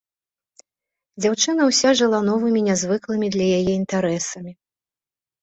Дзяўчына ўся жыла новымі нязвыклымі для яе інтарэсамі.